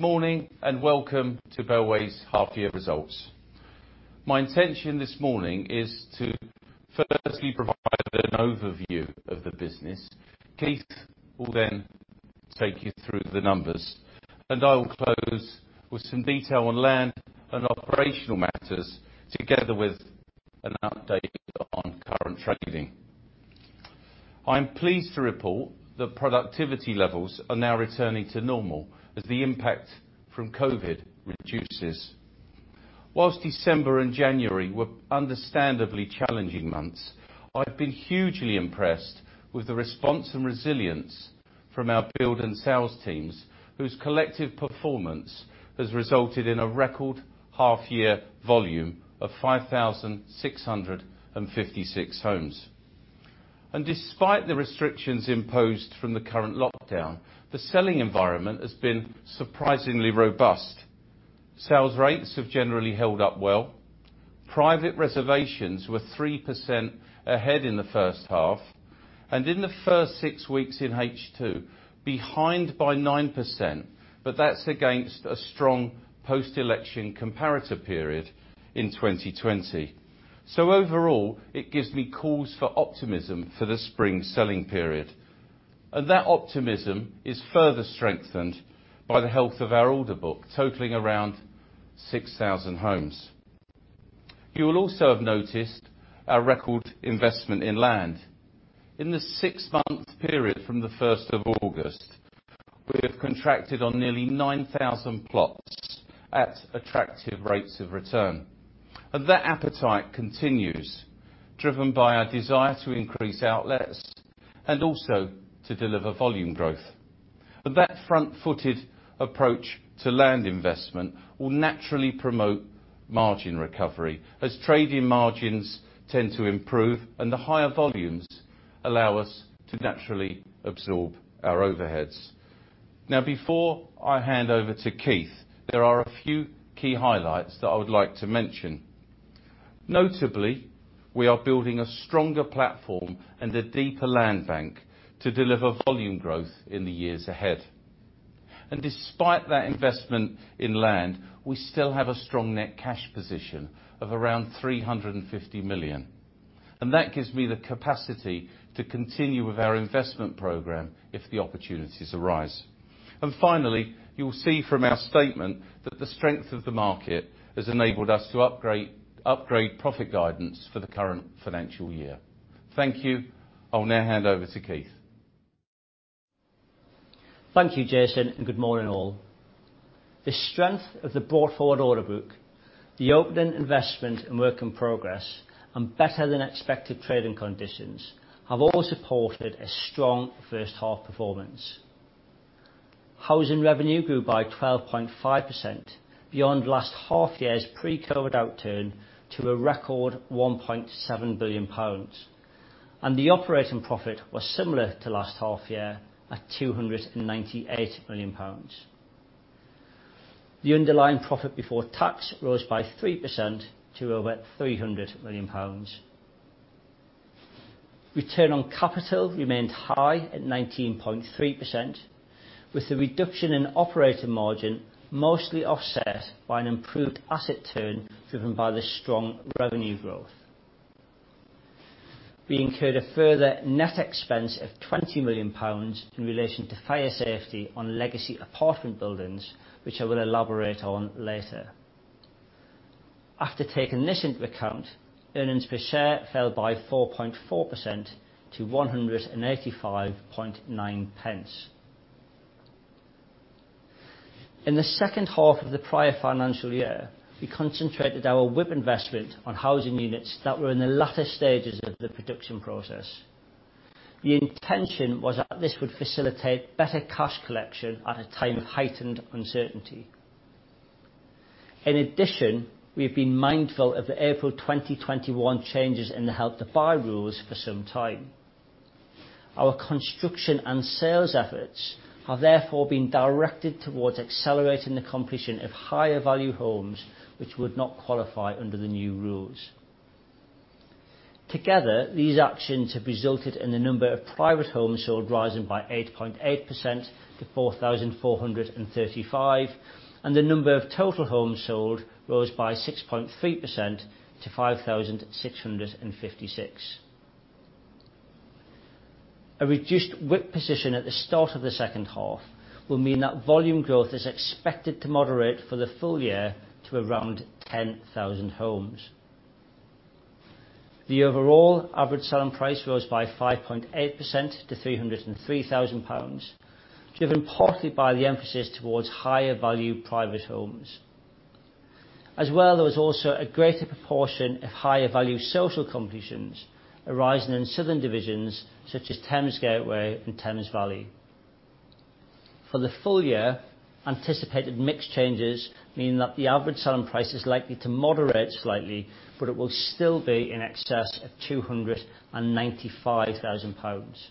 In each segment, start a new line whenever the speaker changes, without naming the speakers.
Good morning, welcome to Bellway's half year results. My intention this morning is to firstly provide an overview of the business. Keith will then take you through the numbers, and I will close with some detail on land and operational matters, together with an update on current trading. I'm pleased to report that productivity levels are now returning to normal as the impact from COVID reduces. Whilst December and January were understandably challenging months, I've been hugely impressed with the response and resilience from our build and sales teams, whose collective performance has resulted in a record half year volume of 5,656 homes. Despite the restrictions imposed from the current lockdown, the selling environment has been surprisingly robust. Sales rates have generally held up well. Private reservations were 3% ahead in the first half, and in the first six weeks in H2, behind by 9%, but that's against a strong post-election comparator period in 2020. Overall, it gives me cause for optimism for the spring selling period. That optimism is further strengthened by the health of our order book, totaling around 6,000 homes. You will also have noticed our record investment in land. In the six-month period from August 1st, we have contracted on nearly 9,000 plots at attractive rates of return. That appetite continues, driven by our desire to increase outlets and also to deliver volume growth. That front-footed approach to land investment will naturally promote margin recovery, as trading margins tend to improve and the higher volumes allow us to naturally absorb our overheads. Before I hand over to Keith, there are a few key highlights that I would like to mention. Notably, we are building a stronger platform and a deeper land bank to deliver volume growth in the years ahead. Despite that investment in land, we still have a strong net cash position of around 350 million. That gives me the capacity to continue with our investment program if the opportunities arise. Finally, you'll see from our statement that the strength of the market has enabled us to upgrade profit guidance for the current financial year. Thank you. I'll now hand over to Keith.
Thank you, Jason. Good morning all. The strength of the brought-forward order book, the opening investment and work in progress, and better than expected trading conditions have all supported a strong first half performance. Housing revenue grew by 12.5% beyond last half year's pre-COVID outturn to a record GBP 1.7 billion. The operating profit was similar to last half year at 298 million pounds. The underlying profit before tax rose by 3% to over 300 million pounds. Return on capital remained high at 19.3%, with the reduction in operating margin mostly offset by an improved asset turn driven by the strong revenue growth. We incurred a further net expense of 20 million pounds in relation to fire safety on legacy apartment buildings, which I will elaborate on later. After taking this into account, earnings per share fell by 4.4% to GBP 1.859. In the second half of the prior financial year, we concentrated our WIP investment on housing units that were in the latter stages of the production process. The intention was that this would facilitate better cash collection at a time of heightened uncertainty. In addition, we have been mindful of the April 2021 changes in the Help to Buy rules for some time. Our construction and sales efforts have therefore been directed towards accelerating the completion of higher value homes which would not qualify under the new rules. Together, these actions have resulted in the number of private homes sold rising by 8.8% to 4,435, and the number of total homes sold rose by 6.3% to 5,656. A reduced WIP position at the start of the second half will mean that volume growth is expected to moderate for the full year to around 10,000 homes. The overall average selling price rose by 5.8% to 303,000 pounds, driven partly by the emphasis towards higher value private homes. There was also a greater proportion of higher value social completions arising in southern divisions such as Thames Gateway and Thames Valley. For the full year, anticipated mix changes mean that the average selling price is likely to moderate slightly, it will still be in excess of 295,000 pounds.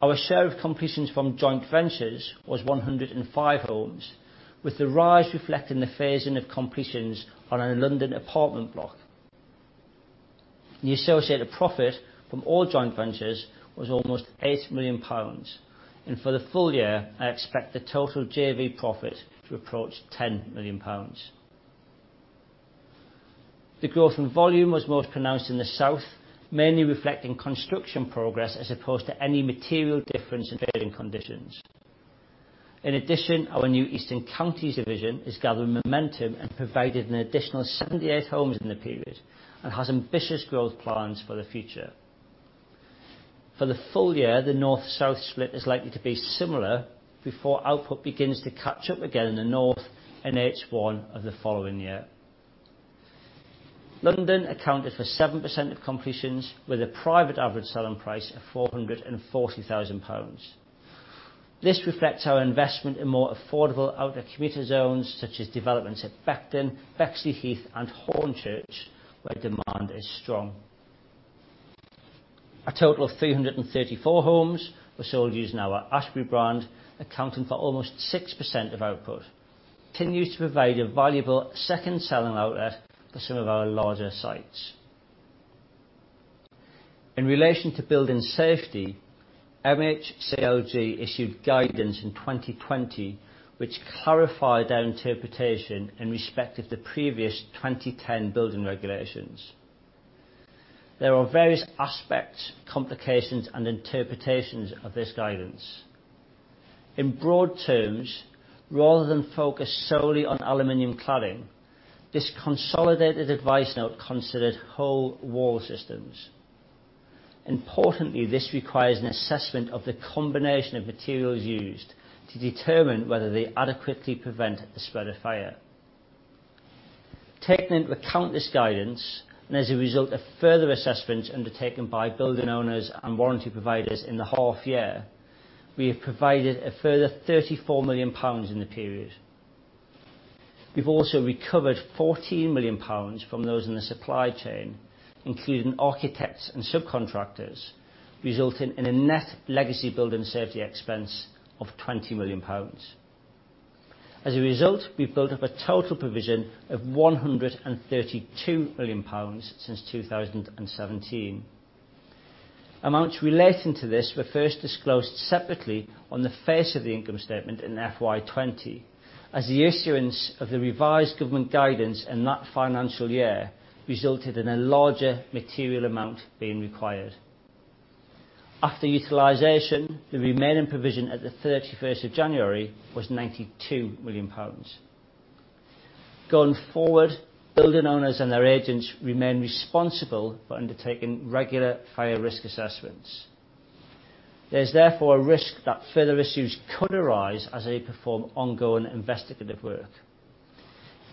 Our share of completions from joint ventures was 105 homes, with the rise reflecting the phasing of completions on a London apartment block. The associated profit from all joint ventures was almost 8 million pounds. For the full year, I expect the total JV profit to approach 10 million pounds. The growth in volume was most pronounced in the South, mainly reflecting construction progress as opposed to any material difference in trading conditions. In addition, our new Eastern Counties division is gathering momentum and provided an additional 78 homes in the period, and has ambitious growth plans for the future. For the full year, the north-south split is likely to be similar before output begins to catch up again in the north in H1 of the following year. London accounted for 7% of completions, with a private average selling price of 440,000 pounds. This reflects our investment in more affordable outer commuter zones, such as developments at Beckton, Bexleyheath and Hornchurch, where demand is strong. A total of 334 homes were sold using our Ashberry brand, accounting for almost 6% of output. It continues to provide a valuable second selling outlet for some of our larger sites. In relation to building safety, MHCLG issued guidance in 2020 which clarified their interpretation in respect of the previous 2010 building regulations. There are various aspects, complications, and interpretations of this guidance. In broad terms, rather than focus solely on aluminum cladding, this consolidated advice note considered whole wall systems. Importantly, this requires an assessment of the combination of materials used to determine whether they adequately prevent the spread of fire. Taking into account this guidance, and as a result of further assessments undertaken by building owners and warranty providers in the half year, we have provided a further 34 million pounds in the period. We've also recovered 14 million pounds from those in the supply chain, including architects and subcontractors, resulting in a net legacy building safety expense of 20 million pounds. As a result, we've built up a total provision of 132 million pounds since 2017. Amounts relating to this were first disclosed separately on the face of the income statement in FY 2020, as the issuance of the revised government guidance in that financial year resulted in a larger material amount being required. After utilization, the remaining provision at January 31st was GBP 92 million. Going forward, building owners and their agents remain responsible for undertaking regular fire risk assessments. There is therefore a risk that further issues could arise as they perform ongoing investigative work.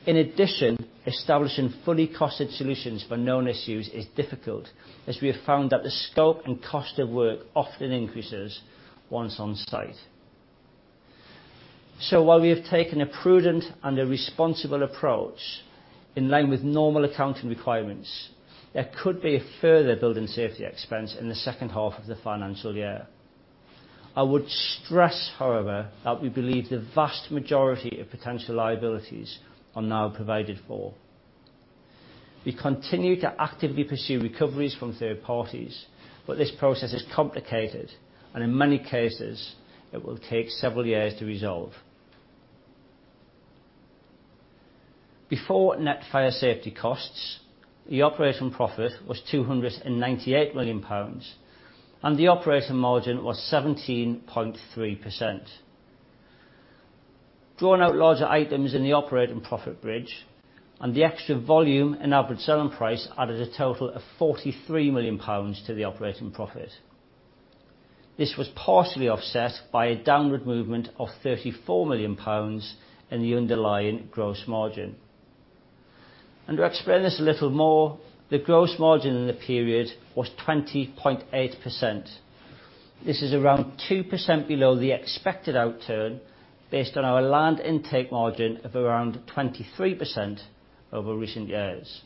In addition, establishing fully costed solutions for known issues is difficult, as we have found that the scope and cost of work often increases once on site. While we have taken a prudent and a responsible approach, in line with normal accounting requirements, there could be a further building safety expense in the second half of the financial year. I would stress, however, that we believe the vast majority of potential liabilities are now provided for. We continue to actively pursue recoveries from third parties, but this process is complicated, and in many cases, it will take several years to resolve. Before net fire safety costs, the operating profit was 298 million pounds, and the operating margin was 17.3%. Drawing out larger items in the operating profit bridge, the extra volume and average selling price added a total of 43 million pounds to the operating profit. This was partially offset by a downward movement of 34 million pounds in the underlying gross margin. To explain this a little more, the gross margin in the period was 20.8%. This is around 2% below the expected outturn, based on our land intake margin of around 23% over recent years.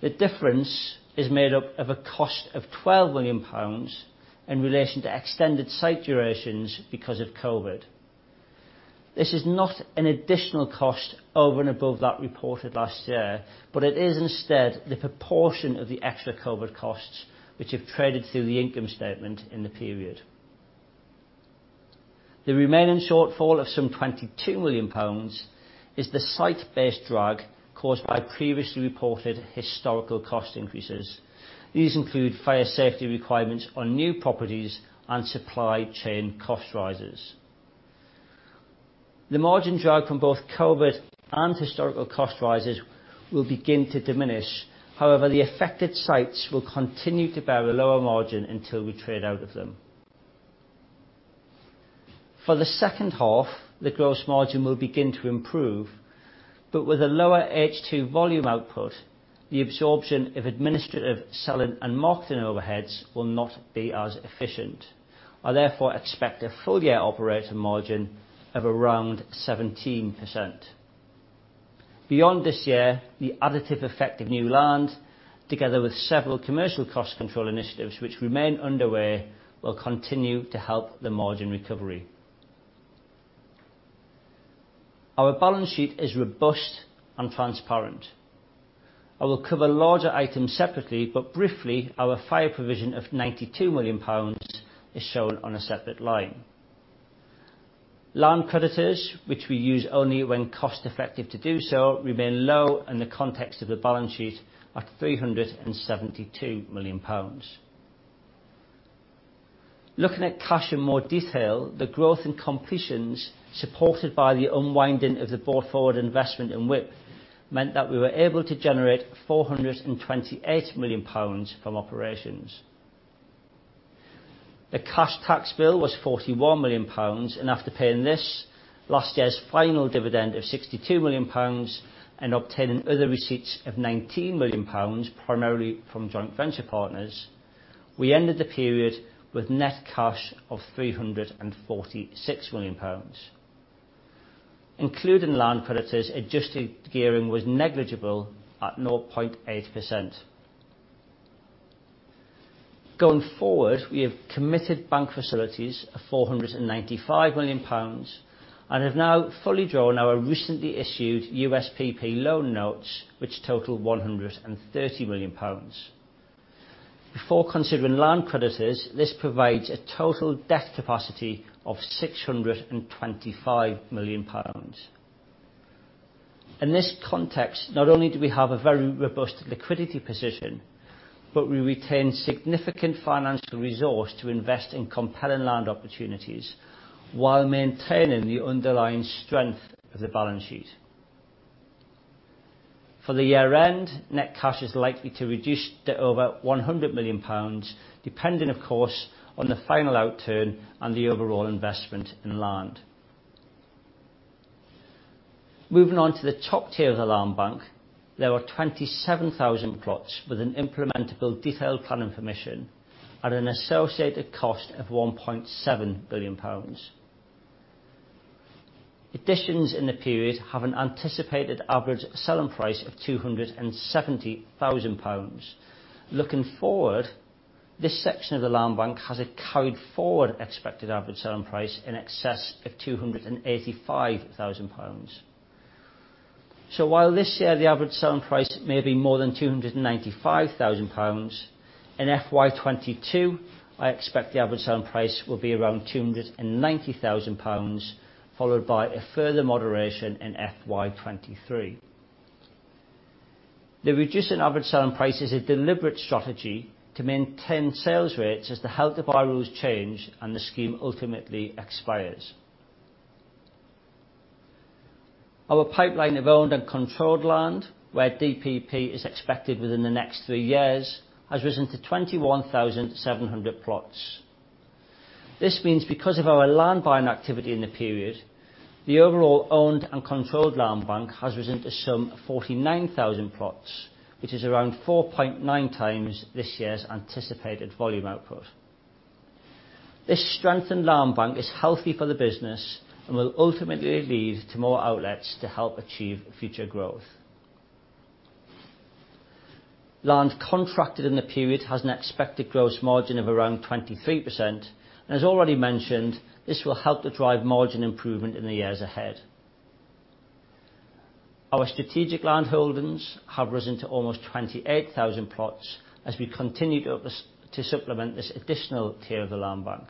The difference is made up of a cost of 12 million pounds in relation to extended site durations because of COVID. This is not an additional cost over and above that reported last year, but it is instead the proportion of the extra COVID costs which have traded through the income statement in the period. The remaining shortfall of some 22 million pounds is the site-based drag caused by previously reported historical cost increases. These include fire safety requirements on new properties and supply chain cost rises. The margin drag from both COVID and historical cost rises will begin to diminish. However, the affected sites will continue to bear a lower margin until we trade out of them. For the second half, the gross margin will begin to improve, but with a lower H2 volume output, the absorption of administrative, selling, and marketing overheads will not be as efficient. I therefore expect a full year operating margin of around 17%. Beyond this year, the additive effect of new land, together with several commercial cost control initiatives which remain underway, will continue to help the margin recovery. Our balance sheet is robust and transparent. I will cover larger items separately, but briefly, our fire provision of 92 million pounds is shown on a separate line. Land creditors, which we use only when cost effective to do so, remain low in the context of the balance sheet at 372 million pounds. Looking at cash in more detail, the growth in completions supported by the unwinding of the brought-forward investment in WIP meant that we were able to generate 428 million pounds from operations. The cash tax bill was 41 million pounds, and after paying this, last year's final dividend of 62 million pounds and obtaining other receipts of 19 million pounds, primarily from joint venture partners, we ended the period with net cash of 346 million pounds. Including land creditors, adjusted gearing was negligible at 0.8%. Going forward, we have committed bank facilities of 495 million pounds and have now fully drawn our recently issued USPP loan notes, which total 130 million pounds. Before considering land creditors, this provides a total debt capacity of 625 million pounds. In this context, not only do we have a very robust liquidity position, but we retain significant financial resource to invest in compelling land opportunities while maintaining the underlying strength of the balance sheet. For the year end, net cash is likely to reduce to over 100 million pounds, depending, of course, on the final outturn and the overall investment in land. Moving on to the top tier of the land bank, there are 27,000 plots with an implementable detailed planning permission at an associated cost of 1.7 billion pounds. Additions in the period have an anticipated average selling price of 270,000 pounds. Looking forward, this section of the land bank has a carried forward expected average selling price in excess of 285,000 pounds. While this year the average selling price may be more than 295,000 pounds, in FY 2022, I expect the average selling price will be around 290,000 pounds, followed by a further moderation in FY 2023. The reducing average selling price is a deliberate strategy to maintain sales rates as the Help to Buy rules change and the scheme ultimately expires. Our pipeline of owned and controlled land, where DPP is expected within the next three years, has risen to 21,700 plots. This means because of our land buying activity in the period, the overall owned and controlled land bank has risen to some 49,000 plots, which is around 4.9 times this year's anticipated volume output. This strengthened land bank is healthy for the business and will ultimately lead to more outlets to help achieve future growth. Land contracted in the period has an expected gross margin of around 23%. As already mentioned, this will help to drive margin improvement in the years ahead. Our strategic land holdings have risen to almost 28,000 plots as we continue to supplement this additional tier of the land bank.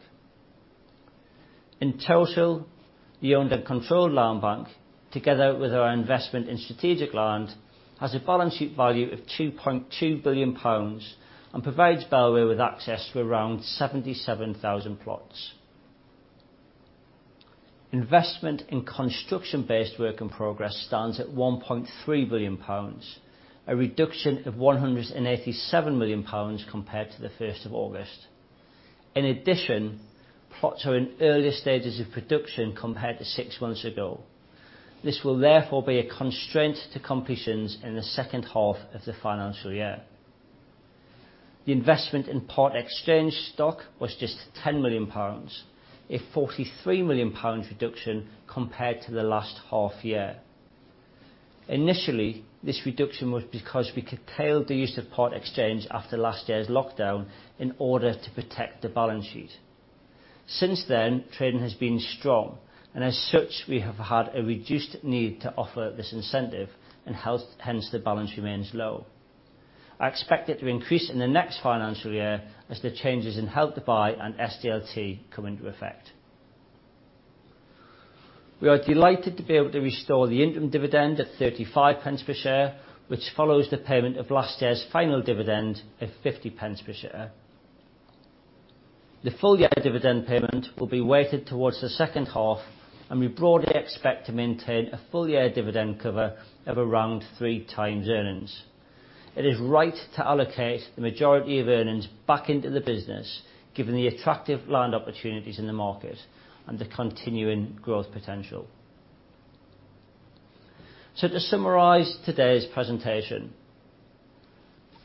In total, the owned and controlled land bank, together with our investment in strategic land, has a balance sheet value of 2.2 billion pounds and provides Bellway with access to around 77,000 plots. Investment in construction-based work in progress stands at 1.3 billion pounds, a reduction of 187 million pounds compared to August 1st. In addition, plots are in earlier stages of production compared to six months ago. This will therefore be a constraint to completions in the second half of the financial year. The investment in part exchange stock was just 10 million pounds, a 43 million pounds reduction compared to the last half year. Initially, this reduction was because we curtailed the use of part exchange after last year's lockdown in order to protect the balance sheet. Since then, trading has been strong, and as such, we have had a reduced need to offer this incentive, and hence the balance remains low. I expect it to increase in the next financial year as the changes in Help to Buy and SDLT come into effect. We are delighted to be able to restore the interim dividend at 0.35 per share, which follows the payment of last year's final dividend of 0.50 per share. The full-year dividend payment will be weighted towards the second half. We broadly expect to maintain a full-year dividend cover of around three times earnings. It is right to allocate the majority of earnings back into the business, given the attractive land opportunities in the market and the continuing growth potential. To summarize today's presentation.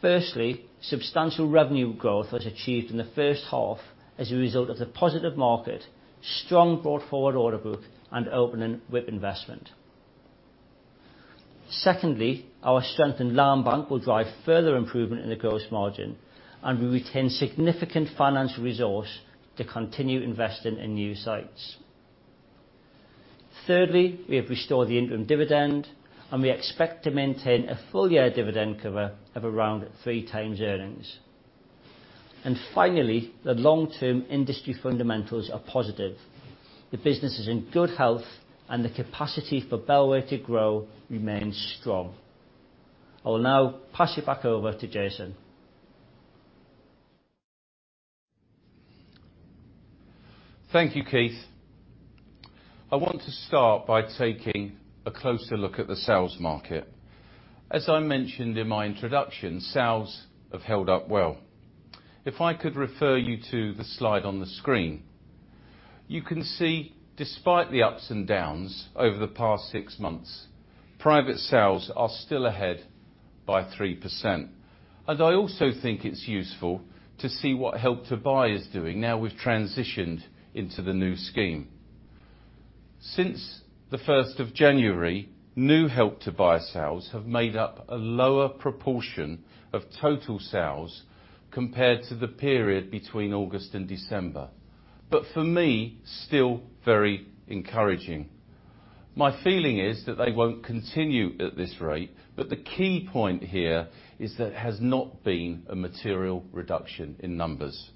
Firstly, substantial revenue growth was achieved in the first half as a result of the positive market, strong brought-forward order book, and opening WIP investment. Secondly, our strength in land bank will drive further improvement in the gross margin. We retain significant financial resource to continue investing in new sites. Thirdly, we have restored the interim dividend, and we expect to maintain a full year dividend cover of around three times earnings. Finally, the long-term industry fundamentals are positive. The business is in good health and the capacity for Bellway to grow remains strong. I will now pass it back over to Jason.
Thank you, Keith. I want to start by taking a closer look at the sales market. As I mentioned in my introduction, sales have held up well. If I could refer you to the slide on the screen. You can see, despite the ups and downs over the past six months, private sales are still ahead by 3%. I also think it's useful to see what Help to Buy is doing now we've transitioned into the new scheme. Since January 1st, new Help to Buy sales have made up a lower proportion of total sales compared to the period between August and December. For me, still very encouraging. My feeling is that they won't continue at this rate, but the key point here is that it has not been a material reduction in numbers.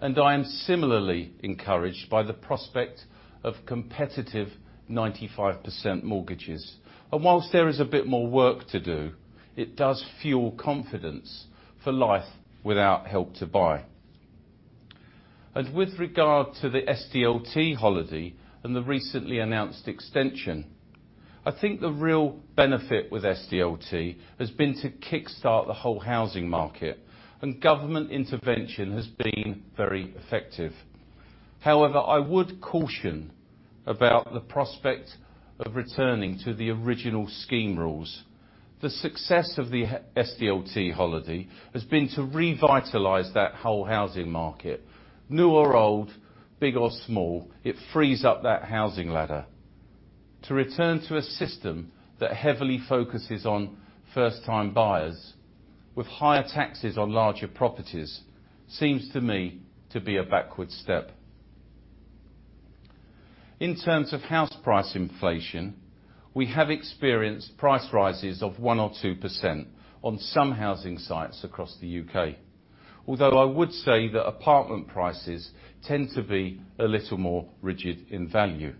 I am similarly encouraged by the prospect of competitive 95% mortgages. Whilst there is a bit more work to do, it does fuel confidence for life without Help to Buy. With regard to the SDLT holiday and the recently announced extension, I think the real benefit with SDLT has been to kickstart the whole housing market, and government intervention has been very effective. However, I would caution about the prospect of returning to the original scheme rules. The success of the SDLT holiday has been to revitalize that whole housing market. New or old, big or small, it frees up that housing ladder. To return to a system that heavily focuses on first time buyers with higher taxes on larger properties seems to me to be a backward step. In terms of house price inflation, we have experienced price rises of 1% or 2% on some housing sites across the U.K. Although I would say that apartment prices tend to be a little more rigid in value.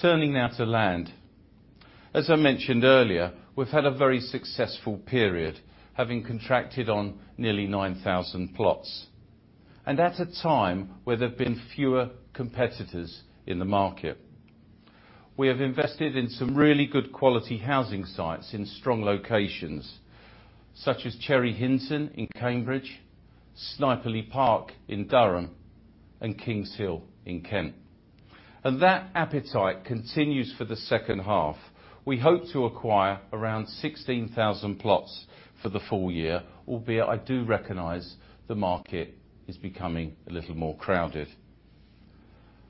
Turning now to land. As I mentioned earlier, we've had a very successful period, having contracted on nearly 9,000 plots, and at a time where there've been fewer competitors in the market. We have invested in some really good quality housing sites in strong locations, such as Cherry Hinton in Cambridge, Sniperley Park in Durham, and Kings Hill in Kent. That appetite continues for the second half. We hope to acquire around 16,000 plots for the full year, albeit I do recognize the market is becoming a little more crowded.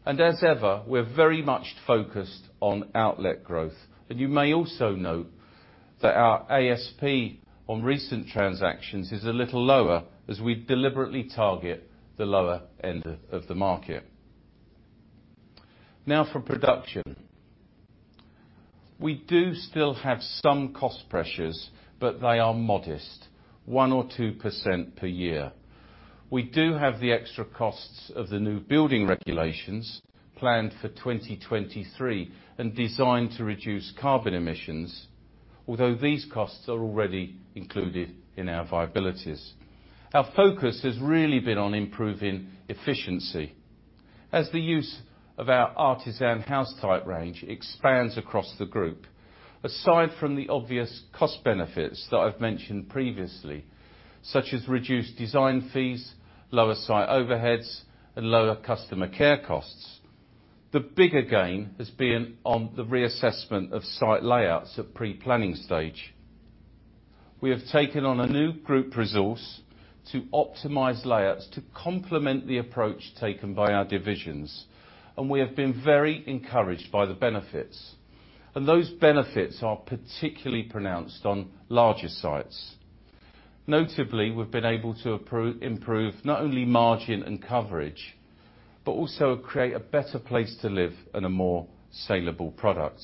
As ever, we're very much focused on outlet growth. You may also note that our ASP on recent transactions is a little lower as we deliberately target the lower end of the market. Now for production. We do still have some cost pressures, but they are modest, 1% or 2% per year. We do have the extra costs of the new building regulations planned for 2023, and designed to reduce carbon emissions, although these costs are already included in our viabilities. Our focus has really been on improving efficiency as the use of our Artisan house type range expands across the group. Aside from the obvious cost benefits that I've mentioned previously, such as reduced design fees, lower site overheads, and lower customer care costs, the bigger gain has been on the reassessment of site layouts at pre-planning stage. We have taken on a new group resource to optimize layouts to complement the approach taken by our divisions. Those benefits are particularly pronounced on larger sites. Notably, we've been able to improve not only margin and coverage, but also create a better place to live and a more saleable product.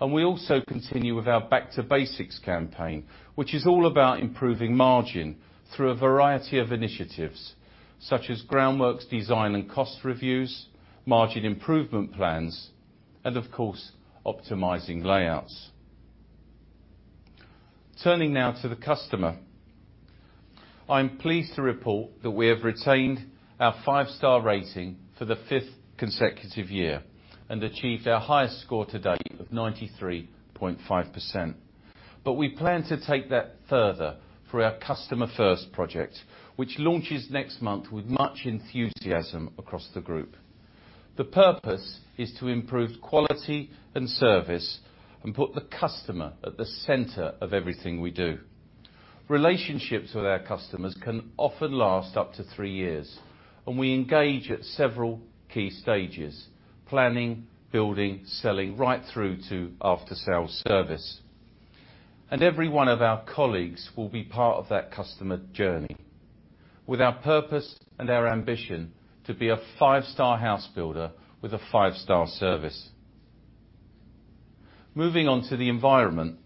We also continue with our Back to Basics campaign, which is all about improving margin through a variety of initiatives, such as groundworks design and cost reviews, margin improvement plans, and of course, optimizing layouts. Turning now to the customer. I'm pleased to report that we have retained our five star rating for the fifth consecutive year and achieved our highest score to date of 93.5%. We plan to take that further through our Customer First project, which launches next month with much enthusiasm across the group. The purpose is to improve quality and service and put the customer at the center of everything we do. Relationships with our customers can often last up to three years. We engage at several key stages: planning, building, selling, right through to after-sales service. Every one of our colleagues will be part of that customer journey, with our purpose and our ambition to be a five-star house builder with a five-star service. Moving on to the environment.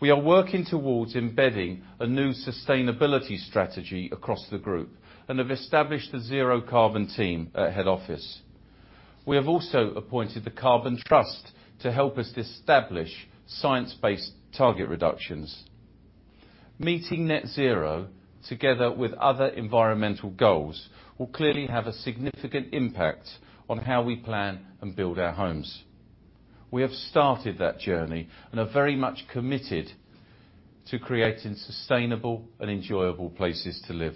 We are working towards embedding a new sustainability strategy across the group and have established a zero carbon team at head office. We have also appointed The Carbon Trust to help us establish science-based target reductions. Meeting net zero, together with other environmental goals, will clearly have a significant impact on how we plan and build our homes. We have started that journey and are very much committed to creating sustainable and enjoyable places to live.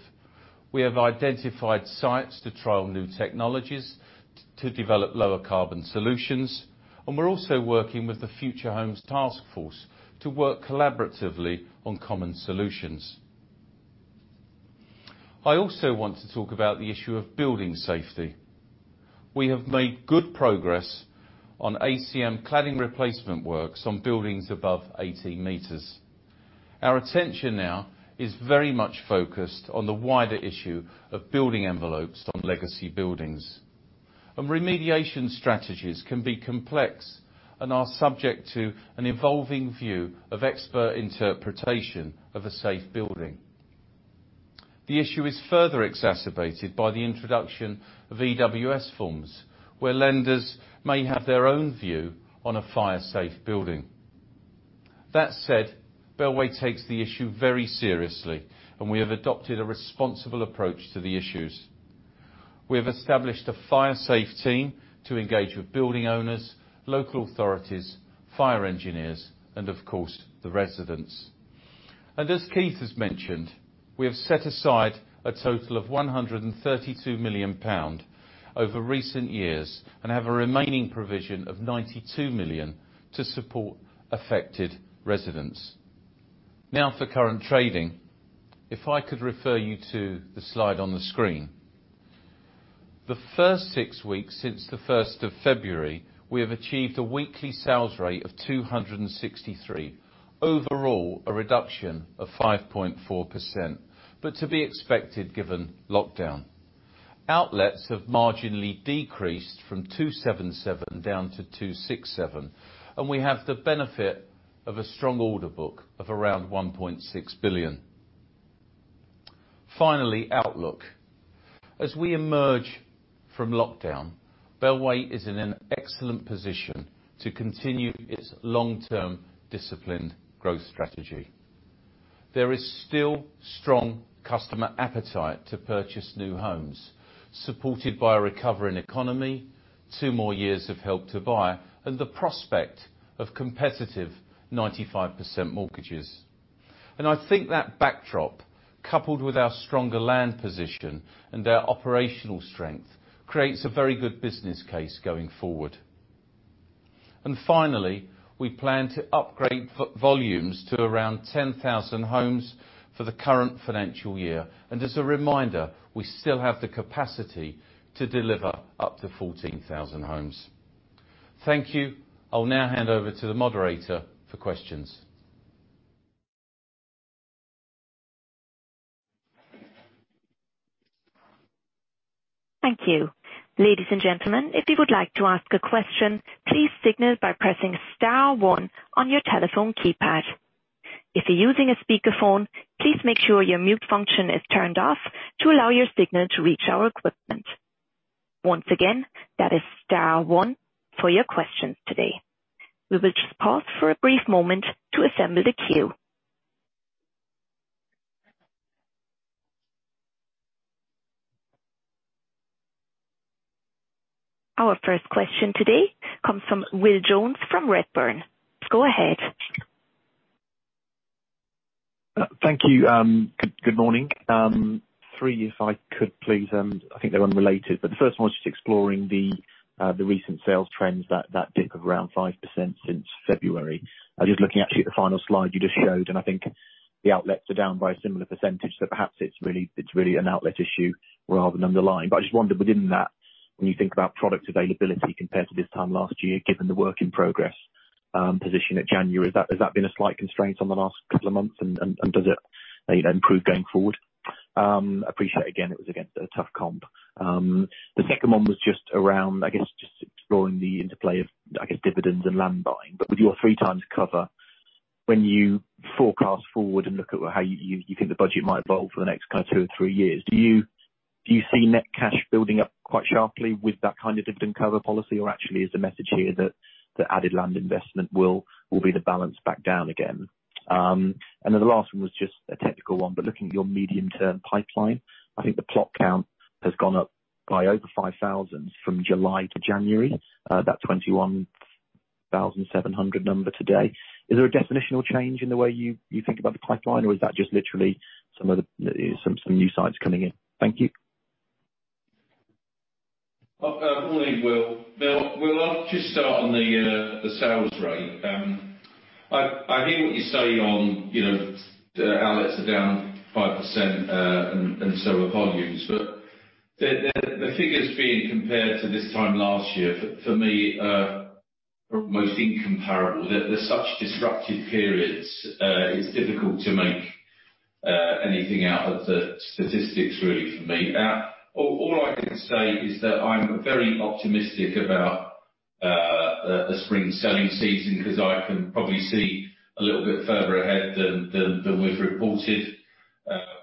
We have identified sites to trial new technologies to develop lower carbon solutions, and we're also working with the Future Homes Task Force to work collaboratively on common solutions. I also want to talk about the issue of building safety. We have made good progress on ACM cladding replacement works on buildings above 18 m. Our attention now is very much focused on the wider issue of building envelopes on legacy buildings. Remediation strategies can be complex and are subject to an evolving view of expert interpretation of a safe building. The issue is further exacerbated by the introduction of EWS forms, where lenders may have their own view on a fire-safe building. That said, Bellway takes the issue very seriously and we have adopted a responsible approach to the issues. We have established a fire safe team to engage with building owners, local authorities, fire engineers, and of course, the residents. As Keith has mentioned, we have set aside a total of 132 million pound over recent years and have a remaining provision of 92 million to support affected residents. For current trading. If I could refer you to the slide on the screen. The first six weeks since February 1st, we have achieved a weekly sales rate of 263. Overall, a reduction of 5.4%, but to be expected given lockdown. Outlets have marginally decreased from 277 down to 267, and we have the benefit of a strong order book of around 1.6 billion. Outlook. As we emerge from lockdown, Bellway is in an excellent position to continue its long-term disciplined growth strategy. There is still strong customer appetite to purchase new homes, supported by a recovering economy, two more years of Help to Buy, and the prospect of competitive 95% mortgages. I think that backdrop, coupled with our stronger land position and our operational strength, creates a very good business case going forward. Finally, we plan to upgrade volumes to around 10,000 homes for the current financial year. As a reminder, we still have the capacity to deliver up to 14,000 homes. Thank you. I'll now hand over to the moderator for questions.
Thank you. Ladies and gentlemen, if you would like to ask a question, please signal by pressing star one on your telephone keypad. If you're using a speakerphone, please make sure your mute function is turned off to allow your signal to reach our equipment. Once again, that is star one for your questions today. We will just pause for a brief moment to assemble the queue. Our first question today comes from Will Jones from Redburn. Go ahead.
Thank you. Good morning. Three, if I could please, I think they're unrelated. The first one is just exploring the recent sales trends, that dip of around 5% since February. I was just looking actually at the final slide you just showed. I think the outlets are down by a similar percentage, perhaps it's really an outlet issue rather than underlying. I just wondered within that, when you think about product availability compared to this time last year, given the work in progress position at January, has that been a slight constraint on the last couple of months? Does it improve going forward? Appreciate again, it was again, a tough comp. The second one was just around, I guess, just exploring the interplay of, I guess, dividends and land buying. With your three times cover, when you forecast forward and look at how you think the budget might evolve for the next two or three years, do you see net cash building up quite sharply with that kind of dividend cover policy, or actually is the message here that added land investment will be the balance back down again? Then the last one was just a technical one, but looking at your medium term pipeline, I think the plot count has gone up by over 5,000 from July to January, that 21,700 number today. Is there a definitional change in the way you think about the pipeline, or is that just literally some new sites coming in? Thank you.
Morning, Will. Will, I'll just start on the sales rate. I hear what you say on outlets are down 5%, and so are volumes. The figures being compared to this time last year, for me, are almost incomparable. They're such disruptive periods, it's difficult to make anything out of the statistics, really, for me. All I can say is that I'm very optimistic about the spring selling season, because I can probably see a little bit further ahead than we've reported.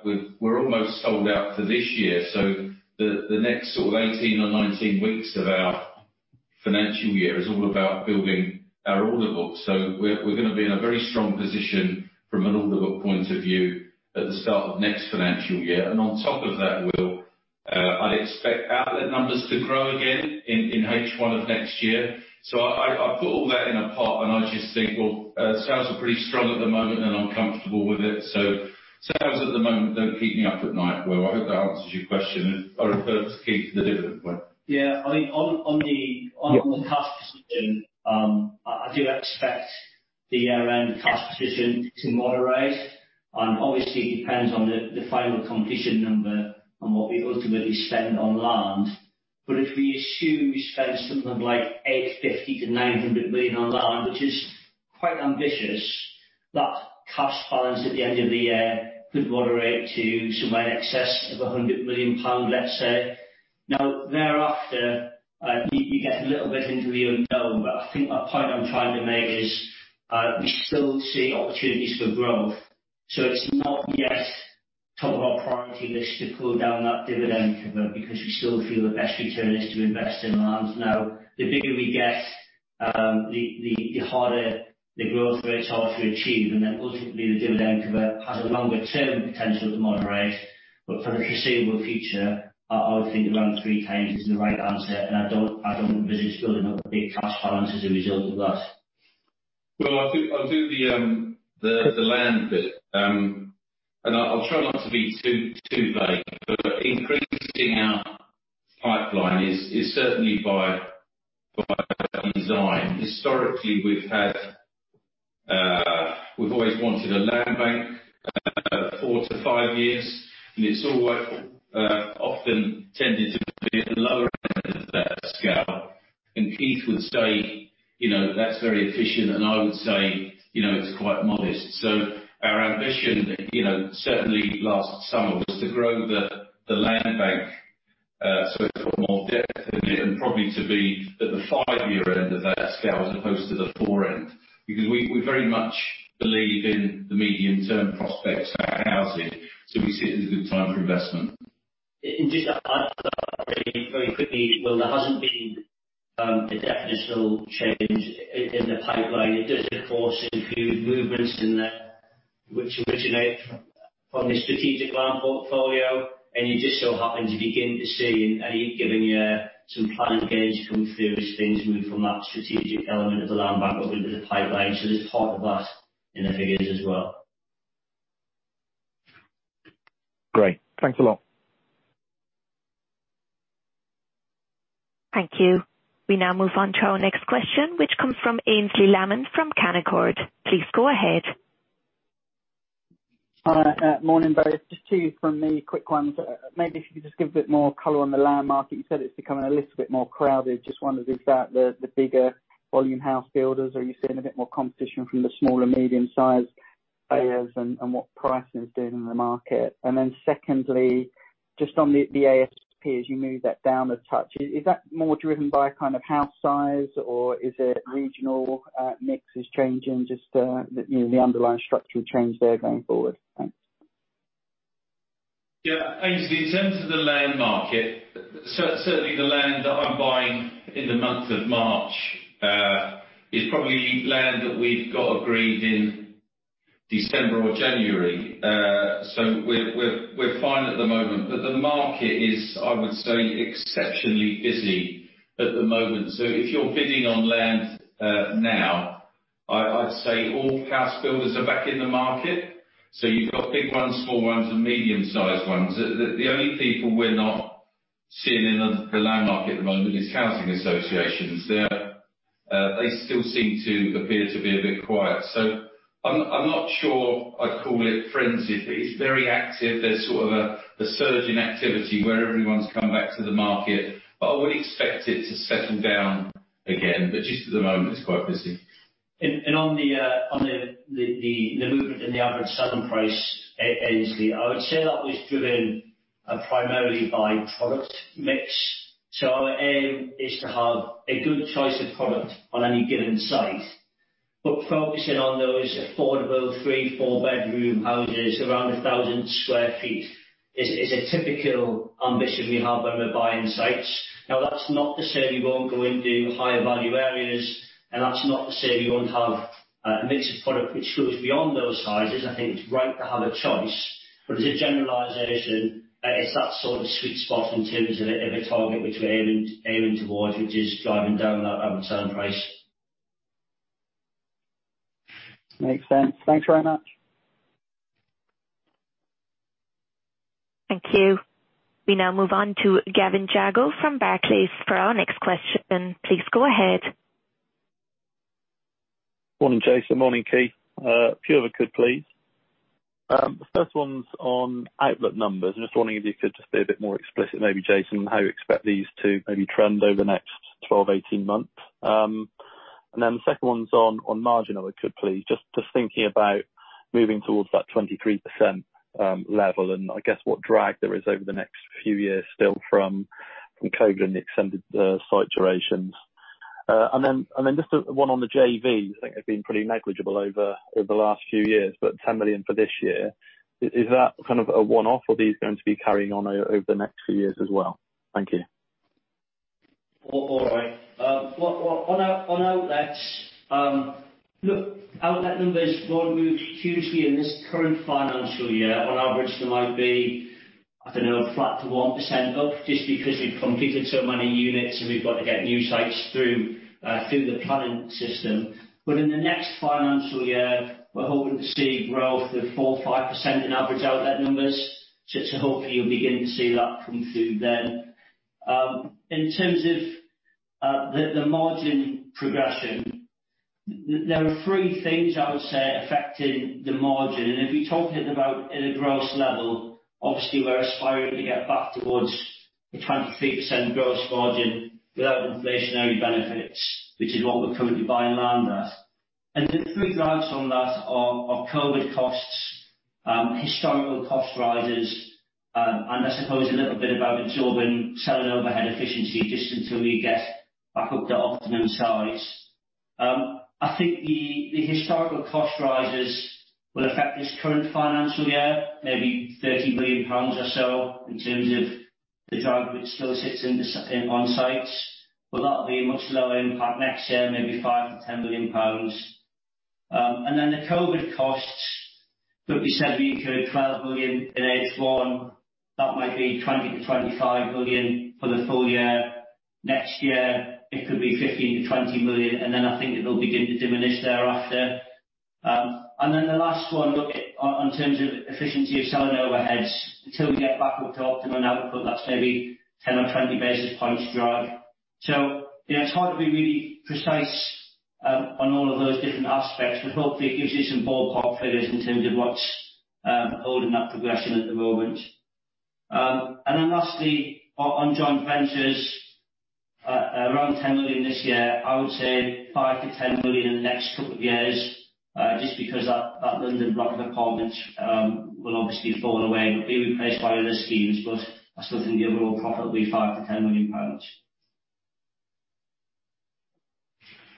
We're almost sold out for this year. The next sort of 18 or 19 weeks of our financial year is all about building our order book. We're going to be in a very strong position from an order book point of view at the start of next financial year. On top of that, Will, I'd expect outlet numbers to grow again in H1 of next year. I put all that in a pot and I just think, well, sales are pretty strong at the moment, and I'm comfortable with it. Sales at the moment don't keep me up at night, Will. I hope that answers your question. I'll refer to Keith the dividend point.
Yeah. On the cash position, I do expect the year-end cash position to moderate. Obviously, it depends on the final competition number and what we ultimately spend on land. If we assume we spend something like 850 million-900 million on land, which is quite ambitious, that cash balance at the end of the year could moderate to somewhere in excess of 100 million pound, let's say. Thereafter, you get a little bit into the unknown. I think my point I'm trying to make is, we still see opportunities for growth. It's not yet top of our priority list to pull down that dividend cover because we still feel the best return is to invest in land. The bigger we get, the harder the growth rates are to achieve, and then ultimately the dividend cover has a longer term potential to moderate. For the foreseeable future, I would think around three times is the right answer, and I don't envisage building up a big cash balance as a result of that.
Will, I'll do the land bit. I'll try not to be too vague, but increasing our pipeline is certainly by design. Historically, we've always wanted a land bank four to five years, and it's often tended to be at the lower end of that scale. Keith would say, "That's very efficient," and I would say, "It's quite modest." Our ambition certainly last summer was to grow the land bank so it's got more depth in it and probably to be at the five-year end of that scale as opposed to the four end. Because we very much believe in the medium-term prospects for housing, so we see it as a good time for investment.
Just to add to that very quickly, Will, there hasn't been a definitional change in the pipeline. It does, of course, include movements in there which originate from the strategic land portfolio, and you just so happen to begin to see in any given year some planning gains come through as things move from that strategic element of the land bank up into the pipeline. There's part of that in the figures as well.
Great. Thanks a lot.
Thank you. We now move on to our next question, which comes from Aynsley Lammin from Canaccord. Please go ahead.
Hi. Morning, both. Just two from me, quick ones. Maybe if you could just give a bit more color on the land market. You said it's becoming a little bit more crowded. Just wondered, is that the bigger volume house builders? Are you seeing a bit more competition from the small or medium-sized players and what pricing is doing in the market? Then secondly, just on the ASP, as you move that down a touch, is that more driven by kind of house size or is it regional mix is changing, just the underlying structural change there going forward? Thanks.
Yeah. Aynsley, in terms of the land market, certainly the land that I'm buying in the month of March is probably land that we've got agreed in December or January. We're fine at the moment. The market is, I would say, exceptionally busy at the moment. If you're bidding on land now, I'd say all house builders are back in the market. You've got big ones, small ones, and medium-sized ones. The only people we're not seeing in the land market at the moment is housing associations. They still seem to appear to be a bit quiet. I'm not sure I'd call it frenzied, but it's very active. There's sort of a surge in activity where everyone's come back to the market. I would expect it to settle down again. Just at the moment, it's quite busy.
On the movement in the average selling price, Aynsley, I would say that was driven primarily by product mix. Focusing on those affordable three, four-bedroom houses around 1,000 sq ft is a typical ambition we have when we're buying sites. That's not to say we won't go into higher value areas, and that's not to say we won't have a mix of product which goes beyond those sizes. I think it's right to have a choice. As a generalization, it's that sort of sweet spot in terms of a target which we're aiming towards, which is driving down that average selling price.
Makes sense. Thanks very much.
Thank you. We now move on to Gavin Jago from Barclays for our next question. Please go ahead.
Morning, Jason. Morning, Keith. A few if I could, please. The first one's on outlet numbers. I'm just wondering if you could just be a bit more explicit, maybe, Jason, how you expect these to maybe trend over the next 12, 18 months. The second one's on margin, if I could, please. Just thinking about moving towards that 23% level and, I guess, what drag there is over the next few years still from COVID and the extended site durations. Just one on the JVs. I think they've been pretty negligible over the last few years, but 10 million for this year. Is that kind of a one-off, or are these going to be carrying on over the next few years as well? Thank you.
All right. On outlets, look, outlet numbers won't move hugely in this current financial year. On average, there might be, I don't know, flat to 1% up, just because we've completed so many units, and we've got to get new sites through the planning system. In the next financial year, we're hoping to see growth of 4%, 5% in average outlet numbers. Hopefully you'll begin to see that come through then. In terms of the margin progression, there are three things I would say affecting the margin. If you're talking about at a gross level, obviously, we're aspiring to get back towards a 23% gross margin without inflationary benefits, which is what we're currently buying land at. The three drags on that are COVID costs, historical cost rises, and I suppose a little bit about absorbing selling overhead efficiency just until we get back up to optimum size. I think the historical cost rises will affect this current financial year, maybe 30 million pounds or so in terms of the drag that still sits on-sites. That'll be a much lower impact next year, maybe 5 million- 10 million pounds. The COVID costs that we said we incurred, 12 million in H1, that might be 20 million-25 million for the full year. Next year it could be 15 million- 20 million, then I think it'll begin to diminish thereafter. The last one, look, on terms of efficiency of selling overheads, until we get back up to optimum output, that's maybe 10 basis points or 20 basis points drag. It's hard to be really precise on all of those different aspects, but hopefully it gives you some ballpark figures in terms of what's holding that progression at the moment. Lastly, on joint ventures, around 10 million this year, I would say 5 million-10 million in the next couple of years, just because that London block of apartments will obviously fall away, but be replaced by other schemes. I still think the overall profit will be 5 million-10 million pounds.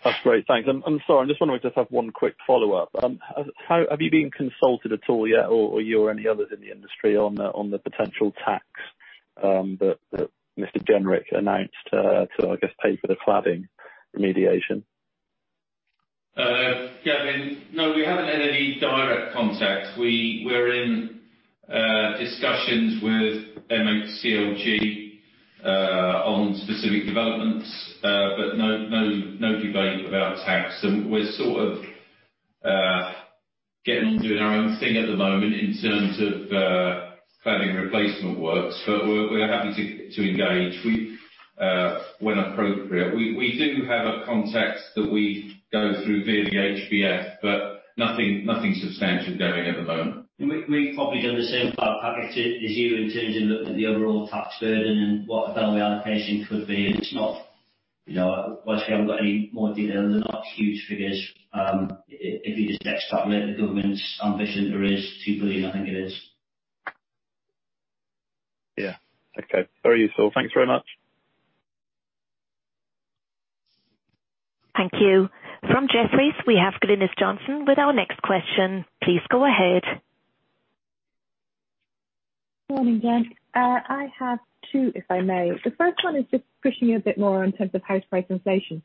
That's great. Thanks. I'm sorry, I just wonder if I could just have one quick follow-up. Have you been consulted at all yet or you or any others in the industry on the potential tax that Mr. Jenrick announced to, I guess, pay for the cladding remediation?
Gavin, no, we haven't had any direct contact. We're in discussions with MHCLG on specific developments. No debate about tax. We're sort of getting on doing our own thing at the moment in terms of cladding replacement works, but we're happy to engage when appropriate. We do have a contact that we go through via the HBF, but nothing substantial going at the moment.
We've probably done the same calculation as you in terms of looking at the overall tax burden and what a Bellway allocation could be, obviously, I haven't got any more detail. They're not huge figures. If you just extrapolate the government's ambition, there is 2 billion, I think it is.
Yeah. Okay, very useful. Thanks very much.
Thank you. From Jefferies, we have Glynis Johnson with our next question. Please go ahead.
Morning, gents. I have two, if I may. The first one is just pushing you a bit more in terms of house price inflation.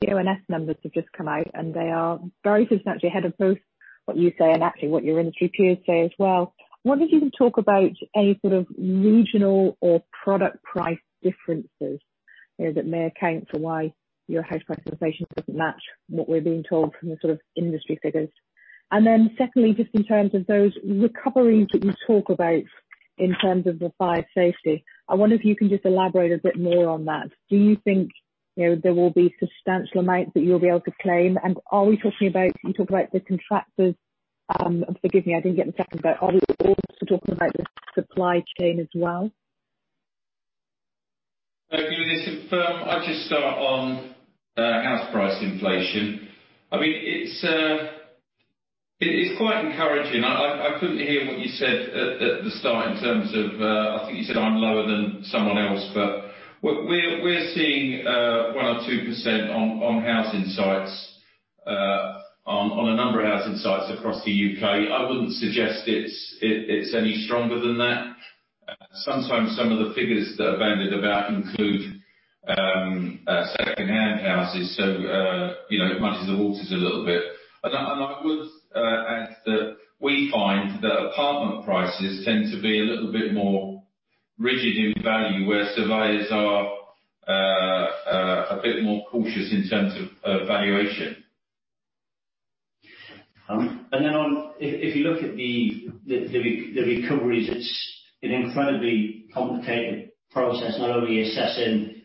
The ONS numbers have just come out, they are very substantially ahead of both what you say and actually what your industry peers say as well. I wonder if you can talk about any sort of regional or product price differences that may account for why your house price inflation doesn't match what we're being told from the sort of industry figures. Secondly, just in terms of those recoveries that you talk about in terms of the fire safety, I wonder if you can just elaborate a bit more on that. Do you think there will be substantial amounts that you'll be able to claim? Are we talking about the contractors? Forgive me, I didn't get the second bit. Are we also talking about the supply chain as well?
Glynis, if I just start on house price inflation. I mean, it is quite encouraging. I couldn't hear what you said at the start in terms of, I think you said I'm lower than someone else. We're seeing 1% or 2% on housing sites, on a number of housing sites across the U.K. I wouldn't suggest it's any stronger than that. Sometimes some of the figures that are bandied about include secondhand houses, so it muddies the waters a little bit. I would add that we find that apartment prices tend to be a little bit more rigid in value, where surveyors are a bit more cautious in terms of valuation.
If you look at the recoveries, it's an incredibly complicated process, not only assessing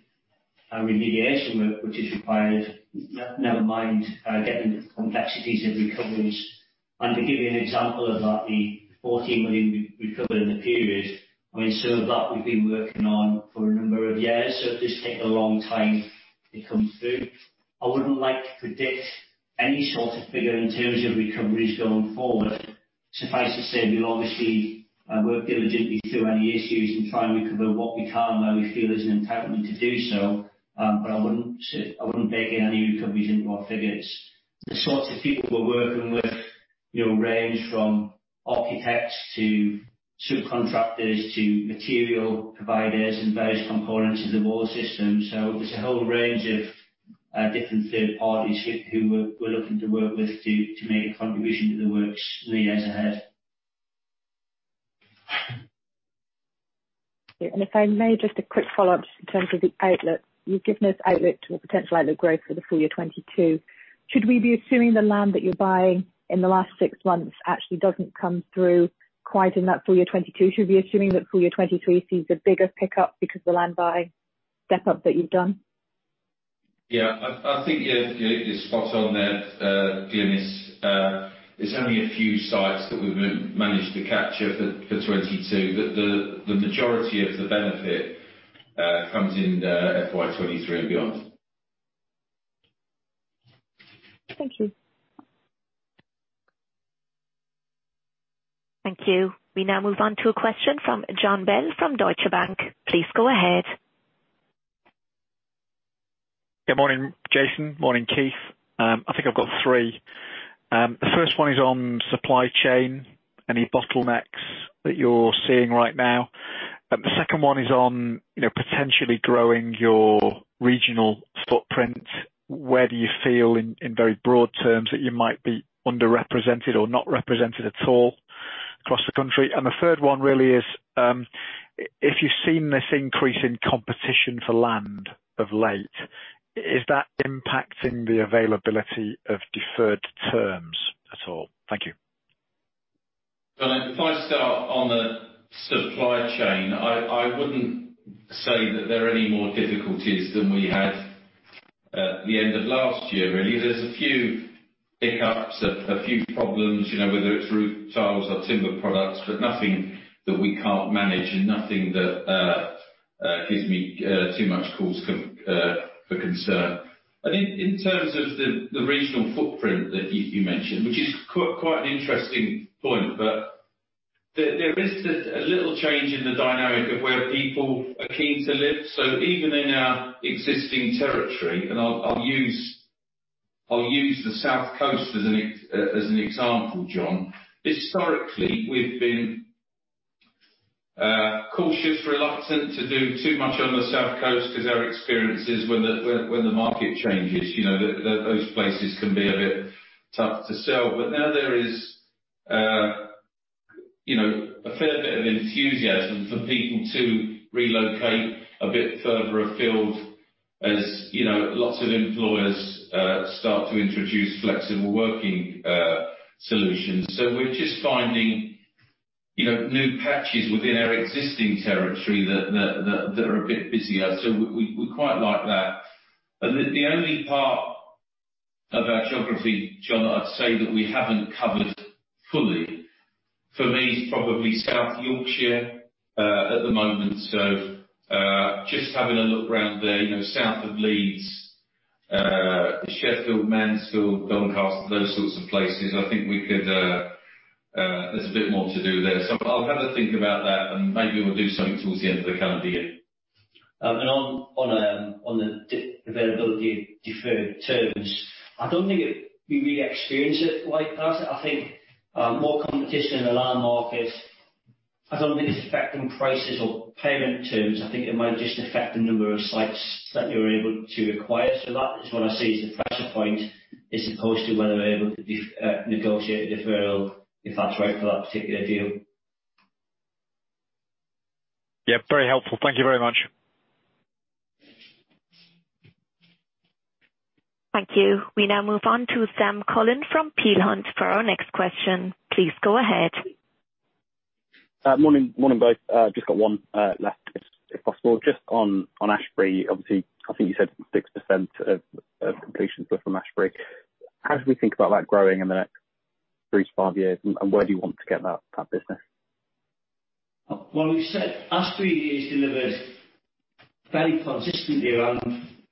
our remediation work, which is required, never mind getting the complexities of recoveries. To give you an example of that, the 14 million we recovered in the period, some of that we've been working on for a number of years. It does take a long time to come through. I wouldn't like to predict any sort of figure in terms of recoveries going forward. Suffice to say, we obviously work diligently through any issues and try and recover what we can where we feel there's an entitlement to do so. I wouldn't bake any recoveries into our figures. The sorts of people we're working with range from architects to subcontractors to material providers and various components of the water system. There's a whole range of different third parties who we're looking to work with to make a contribution to the works in the years ahead.
If I may, just a quick follow-up just in terms of the outlet. You've given us outlet to a potential outlet growth for the full year 2022. Should we be assuming the land that you're buying in the last six months actually doesn't come through quite in that full year 2022? Should we be assuming that full year 2023 sees a bigger pickup because the land buy step up that you've done?
Yeah. I think you're spot on there, Glynis. There's only a few sites that we've managed to capture for 2022. The majority of the benefit comes in FY 2023 and beyond.
Thank you.
Thank you. We now move on to a question from Jon Bell from Deutsche Bank. Please go ahead.
Good morning, Jason. Morning, Keith. I think I've got three. The first one is on supply chain. Any bottlenecks that you're seeing right now? The second one is on potentially growing your regional footprint. Where do you feel, in very broad terms, that you might be underrepresented or not represented at all across the country? The third one really is, if you've seen this increase in competition for land of late, is that impacting the availability of deferred terms at all? Thank you.
Jon, if I start on the supply chain, I wouldn't say that there are any more difficulties than we had at the end of last year, really. There's a few hiccups, a few problems, whether it's roof tiles or timber products, nothing that we can't manage and nothing that gives me too much cause for concern. In terms of the regional footprint that you mentioned, which is quite an interesting point, there is a little change in the dynamic of where people are keen to live. Even in our existing territory, I'll use the South Coast as an example, Jon. Historically, we've been cautious, reluctant to do too much on the South Coast because our experience is when the market changes, those places can be a bit tough to sell. There is a fair bit of enthusiasm for people to relocate a bit further afield as lots of employers start to introduce flexible working solutions. We're just finding new patches within our existing territory that are a bit busier. We quite like that. The only part of our geography, Jon, I'd say that we haven't covered fully, for me, is probably South Yorkshire at the moment. Just having a look around there, south of Leeds, Sheffield, Mansfield, Doncaster, those sorts of places. I think there's a bit more to do there. I'll have a think about that, and maybe we'll do something towards the end of the calendar year.
On the availability of deferred terms, I don't think we really experience it like that. More competition in the land market, I don't think it's affecting prices or payment terms. It might just affect the number of sites that you're able to acquire. That is what I see as the pressure point, as opposed to whether we're able to negotiate a deferral if that's right for that particular deal.
Yeah, very helpful. Thank you very much.
Thank you. We now move on to Sam Cullen from Peel Hunt for our next question. Please go ahead.
Morning, guys. Just got one left, if possible. Just on Ashberry, obviously, I think you said 6% of completions were from Ashberry. How do we think about that growing in the next three to five years, and where do you want to get that business?
Well, we've said Ashberry has delivered fairly consistently around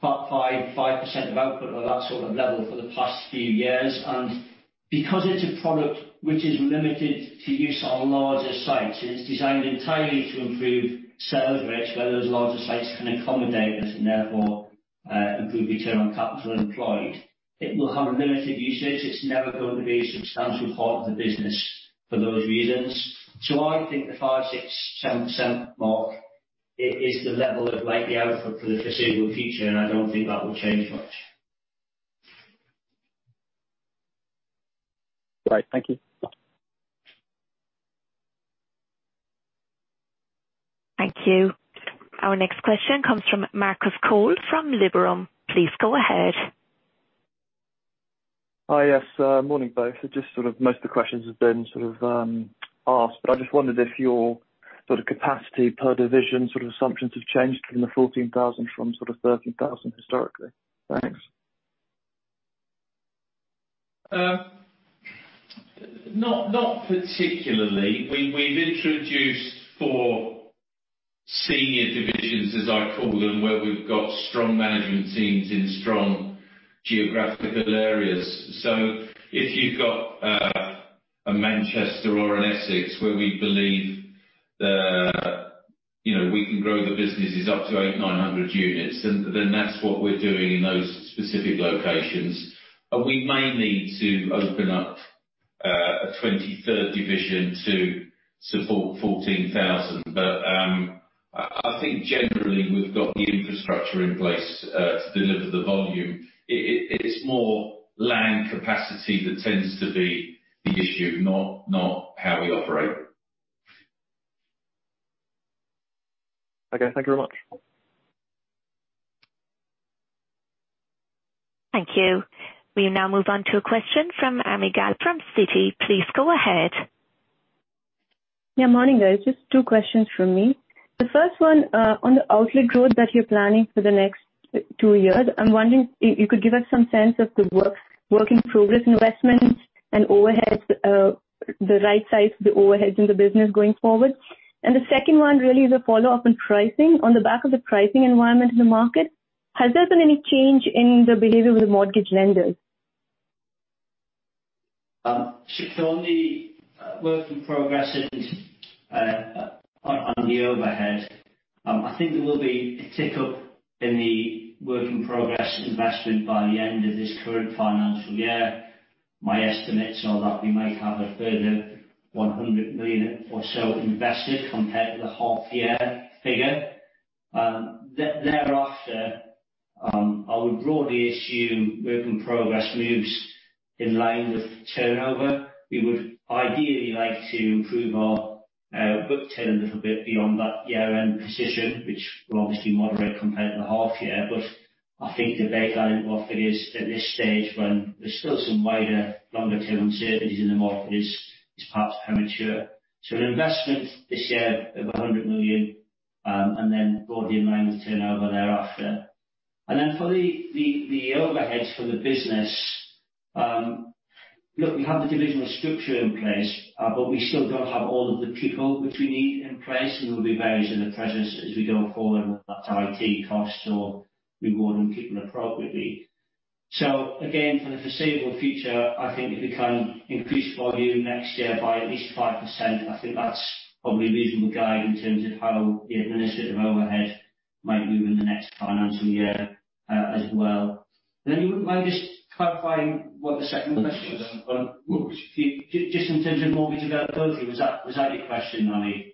5% of output or that sort of level for the past few years. Because it's a product which is limited to use on larger sites, and it's designed entirely to improve sales rates where those larger sites can accommodate it and therefore improve return on capital employed, it will have a limited usage. It's never going to be a substantial part of the business for those reasons. I think the 5%, 6%, 7% mark is the level of output for the foreseeable future, and I don't think that will change much.
Great. Thank you.
Thank you. Our next question comes from Marcus Cole from Liberum. Please go ahead.
Hi. Yes, morning both. Most of the questions have been asked. I just wondered if your capacity per division assumptions have changed from the 14,000 from 13,000 historically. Thanks.
Not particularly. We've introduced four senior divisions, as I call them, where we've got strong management teams in strong geographical areas. If you've got a Manchester or an Essex where we believe that we can grow the businesses up to 800 or 900 units, then that's what we're doing in those specific locations. We may need to open up a 23rd division to support 14,000. I think generally we've got the infrastructure in place to deliver the volume. It is more land capacity that tends to be the issue, not how we operate.
Okay, thank you very much.
Thank you. We now move on to a question from Ami Galla from Citi. Please go ahead.
Morning guys. Just two questions from me. The first one, on the outlet growth that you're planning for the next two years, I'm wondering if you could give us some sense of the work-in-progress investments and overheads, the right size for the overheads in the business going forward. The second one really is a follow-up on pricing. On the back of the pricing environment in the market, has there been any change in the behavior of the mortgage lenders?
For the work in progress and on the overhead, I think there will be a tick up in the work in progress investment by the end of this current financial year. My estimates are that we might have a further 100 million or so invested compared to the half year figure. Thereafter, I would broadly assume work in progress moves in line with turnover. We would ideally like to improve our book turn a little bit beyond that year-end position, which will obviously moderate compared to the half year. I think to baseline what it is at this stage when there's still some wider longer term uncertainties in the market is perhaps premature. An investment this year of 100 million, and then broadly in line with turnover thereafter. For the overheads for the business, look, we have the divisional structure in place, but we still don't have all of the people which we need in place. There will be variations of pressures as we go forward, whether that's IT costs or rewarding people appropriately. Again, for the foreseeable future, I think if we can increase volume next year by at least 5%, I think that's probably a reasonable guide in terms of how the administrative overhead might move in the next financial year as well. You wouldn't mind just clarifying what the second question was on just in terms of mortgage availability? Was that your question, Ami?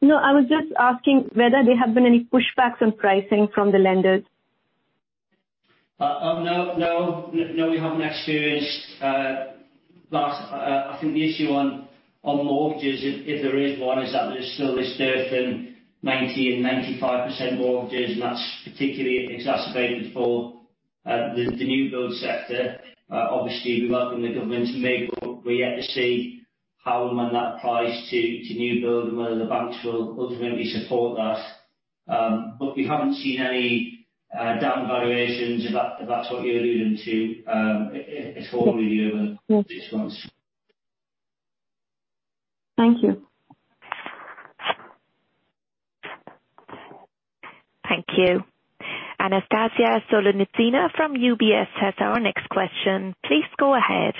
No, I was just asking whether there have been any pushbacks on pricing from the lenders.
No. No, we haven't experienced I think the issue on mortgages, if there is one, is that there's still this dearth in 90% and 95% mortgages, That's particularly exacerbated for the new build sector. Obviously, we welcome the government's move, we're yet to see how and when that applies to new build and whether the banks will ultimately support that. We haven't seen any down valuations, if that's what you're alluding to, at all with either of the responses.
Thank you.
Thank you. Anastasia Solonitsyna from UBS has our next question. Please go ahead.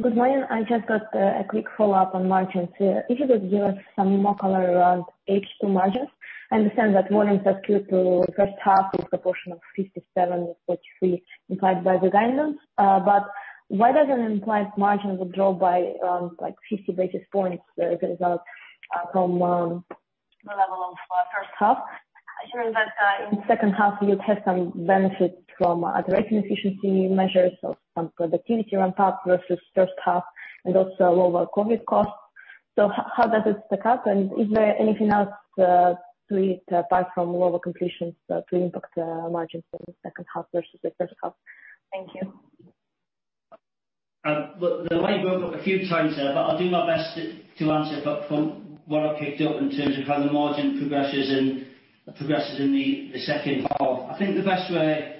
Good morning. I just got a quick follow-up on margins. If you could give us some more color around H2 margins. I understand that volumes are skewed to first half with a proportion of 57% with H2 implied by the guidance. Why does an implied margin would drop by 50 basis points the result from the level of first half? Assuming that in second half you'd have some benefit from addressing efficiency measures or some productivity on top versus first half and also lower COVID costs. How does it stack up? Is there anything else to it apart from lower completions to impact margins in the second half versus the first half? Thank you.
The line broke up a few times there, but I'll do my best to answer. From what I picked up in terms of how the margin progresses in the second half, I think the best way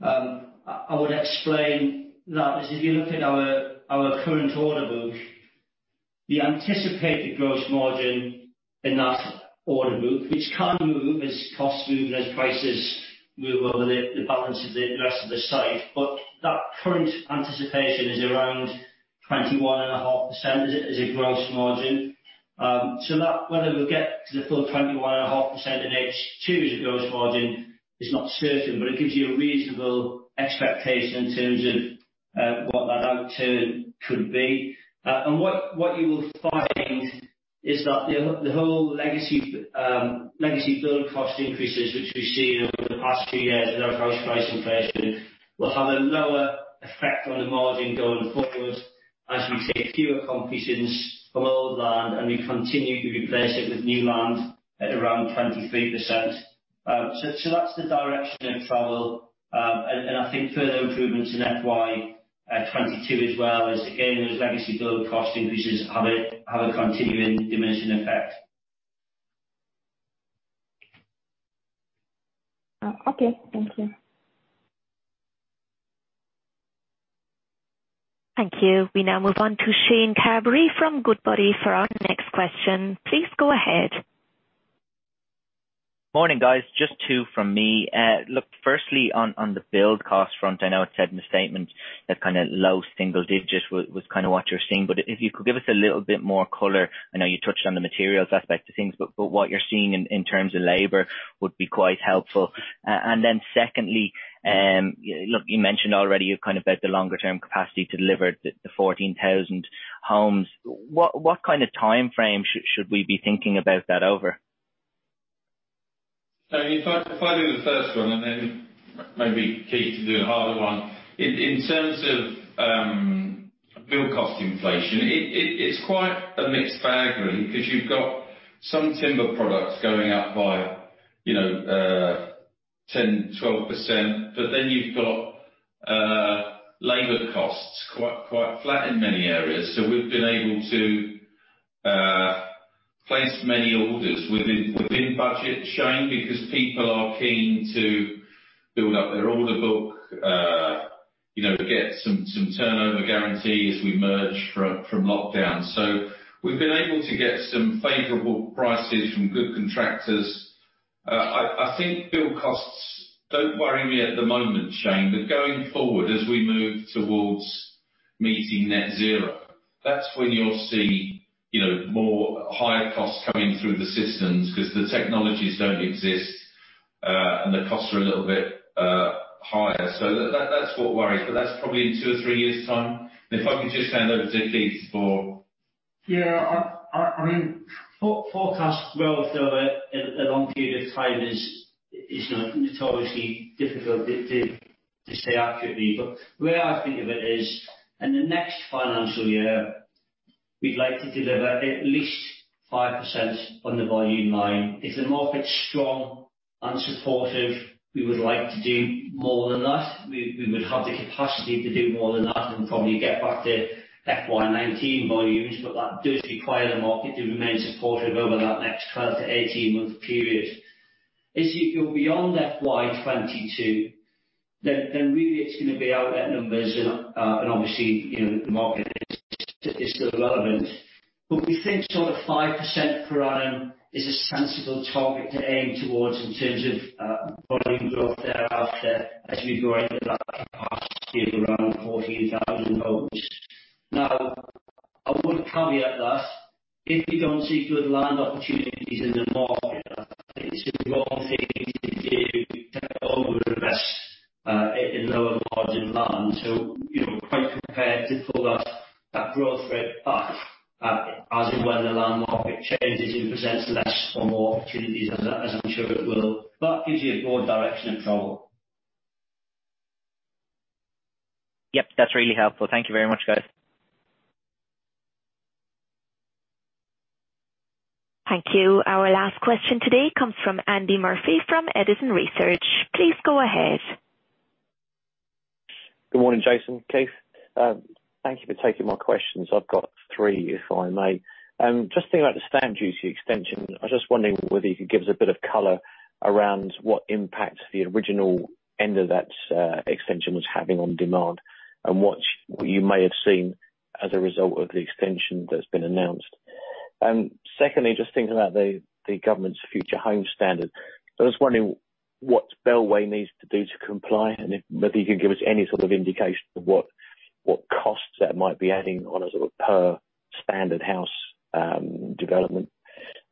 I would explain that is if you look at our current order book, the anticipated gross margin in that order book, which can move as costs move and as prices move over the balance of the rest of the site. That current anticipation is around 21.5% as a gross margin. Whether we'll get to the full 21.5% at H2 as a gross margin is not certain, but it gives you a reasonable expectation in terms of what that outturn could be. What you will find is that the whole legacy build cost increases, which we've seen over the past few years with our house price inflation, will have a lower effect on the margin going forward. As we take fewer completions from old land and we continue to replace it with new land at around 23%. That's the direction of travel. I think further improvements in FY 2022 as well as, again, those legacy build cost increases have a continuing diminishing effect.
Okay. Thank you.
Thank you. We now move on to Shane Carberry from Goodbody for our next question. Please go ahead.
Morning, guys. Just two from me. Look, firstly, on the build cost front, I know it's said in the statement that kind of low single digits was kind of what you're seeing, but if you could give us a little bit more color. I know you touched on the materials aspect of things, but what you're seeing in terms of labor would be quite helpful. Secondly, look, you mentioned already kind of about the longer-term capacity to deliver the 14,000 homes. What kind of time frame should we be thinking about that over?
If I do the first one, then maybe Keith to do the harder one. In terms of build cost inflation, it is quite a mixed bag really, because you've got some timber products going up by 10%, 12%, then you've got labor costs quite flat in many areas. We've been able to place many orders within budget, Shane, because people are keen to build up their order book, get some turnover guarantee as we emerge from lockdown. We've been able to get some favorable prices from good contractors. I think build costs don't worry me at the moment, Shane, going forward, as we move towards meeting net zero, that's when you'll see more higher costs coming through the systems because the technologies don't exist, the costs are a little bit higher. That's what worries, but that's probably in two or three years' time. If I could just hand over to Keith for
Yeah. Forecasts well sort of a long period of time is notoriously difficult to stay accurate. The way I think of it is, in the next financial year, we'd like to deliver at least 5% on the volume line. If the market's strong and supportive, we would like to do more than that. We would have the capacity to do more than that and probably get back to FY 2019 volumes, but that does require the market to remain supportive over that next 12 to 18-month period. As you go beyond FY 2022, really it's going to be out at numbers and obviously, the market is still relevant. We think sort of 5% per annum is a sensible target to aim towards in terms of volume growth thereafter as we grow into that capacity of around 14,000 homes. Now, I would caveat that. If we don't see good land opportunities in the market, it's the wrong thing to do to over-invest in lower margin land. Quite prepared to pull that growth rate back as and when the land market changes and presents less or more opportunities, as I'm sure it will. It gives you a broad direction of travel.
Yep, that's really helpful. Thank you very much, guys.
Thank you. Our last question today comes from Andy Murphy from Edison Research. Please go ahead.
Good morning, Jason, Keith. Thank you for taking my questions. I've got three, if I may. Thinking about the stamp duty extension, I was just wondering whether you could give us a bit of color around what impact the original end of that extension was having on demand and what you may have seen as a result of the extension that's been announced. Secondly, thinking about the government's Future Homes Standard. I'm just wondering what Bellway needs to do to comply and if maybe you could give us any sort of indication of what costs that might be adding on a sort of per standard house development.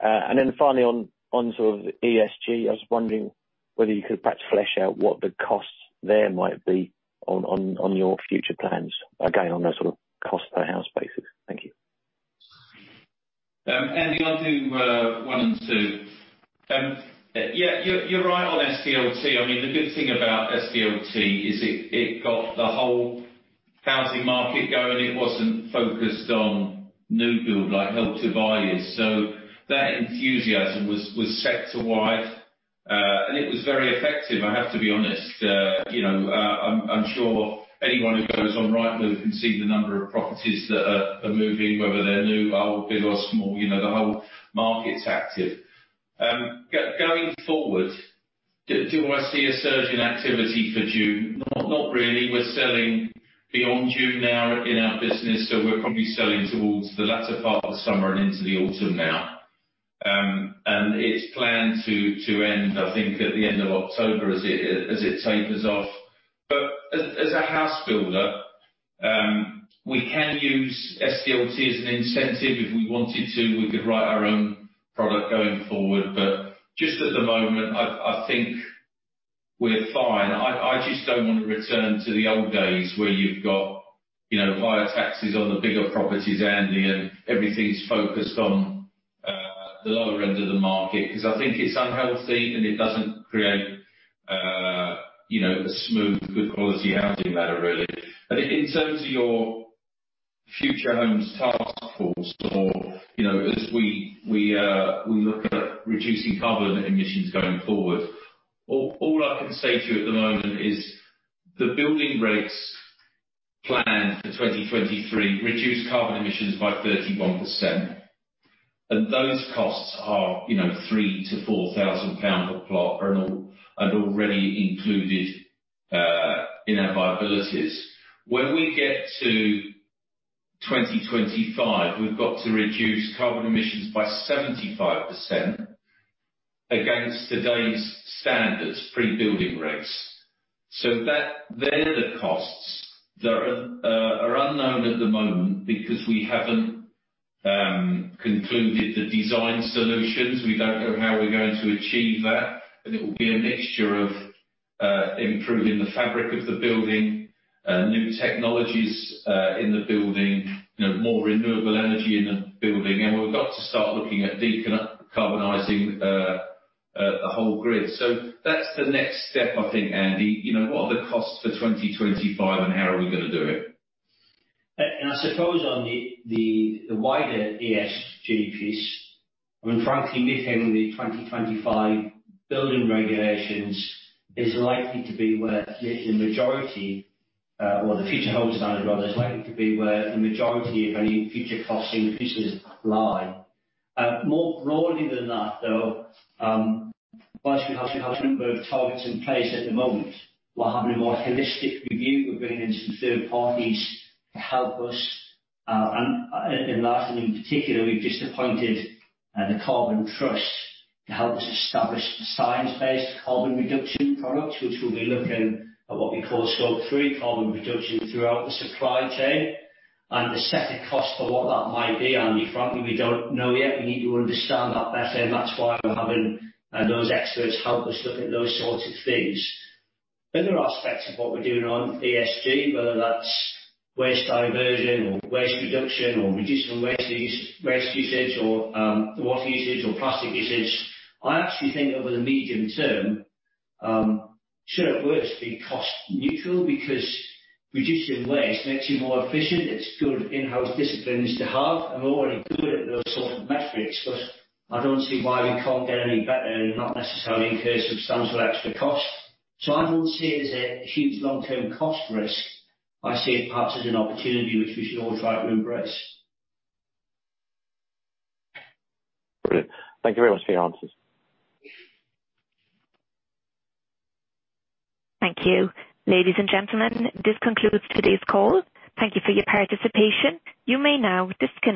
Finally on sort of ESG, I was wondering whether you could perhaps flesh out what the costs there might be on your future plans, again, on a sort of cost per house basis. Thank you.
Andy, I'll do one and two. Yeah, you're right on SDLT. The good thing about SDLT is it got the whole housing market going. It wasn't focused on new build like Help to Buy is. That enthusiasm was sector-wide, and it was very effective, I have to be honest. I'm sure anyone who goes on Rightmove can see the number of properties that are moving, whether they're new or old, big or small, the whole market's active. Going forward, do I see a surge in activity for June? Not really. We're selling beyond June now in our business, so we're probably selling towards the latter part of the summer and into the autumn now. It's planned to end, I think at the end of October as it tapers off. As a house builder, we can use SDLT as an incentive. If we wanted to, we could write our own product going forward. Just at the moment, I think we're fine. I just don't want to return to the old days where you've got higher taxes on the bigger properties, Andy, and everything's focused on the lower end of the market, because I think it's unhealthy and it doesn't create a smooth, good quality housing ladder, really. In terms of your Future Homes Task Force or as we look at reducing carbon emissions going forward, all I can say to you at the moment is the building regs planned for 2023 reduce carbon emissions by 31%, and those costs are 3,000 to 4,000 pounds per plot and already included in our viabilities. When we get to 2025, we've got to reduce carbon emissions by 75% against today's standards, pre-building regs. They're the costs that are unknown at the moment because we haven't concluded the design solutions. We don't know how we're going to achieve that, and it will be a mixture of improving the fabric of the building, new technologies in the building, more renewable energy in the building. We've got to start looking at decarbonizing the whole grid. That's the next step, I think, Andy. What are the costs for 2025, and how are we going to do it?
I suppose on the wider ESG piece, frankly, meeting the 2025 building regulations is likely to be where the majority or the Future Homes Standard, rather, is likely to be where the majority of any future cost increases lie. More broadly than that, though, Bellway has a number of targets in place at the moment. We're having a more holistic review. We're bringing in some third parties to help us, and last and in particular, we've just appointed The Carbon Trust to help us establish science-based carbon reduction products, which will be looking at what we call Scope 3 carbon reduction throughout the supply chain and the [associated] cost for what that might be, Andy. Frankly, we don't know yet. We need to understand that better, and that's why we're having those experts help us look at those sorts of things. There are aspects of what we're doing on ESG, whether that's waste diversion or waste reduction, or reducing waste usage or water usage or plastic usage. I actually think over the medium term, sure, it will be cost neutral because reducing waste makes you more efficient. It's good in-house disciplines to have. I'm already good at those sort of metrics, but I don't see why we can't get any better and not necessarily incur substantial extra cost. I don't see it as a huge long-term cost risk. I see it perhaps as an opportunity which we should all try to embrace.
Brilliant. Thank you very much for your answers.
Thank you. Ladies and gentlemen, this concludes today's call. Thank you for your participation. You may now disconnect.